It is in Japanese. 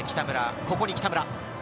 ここに北村。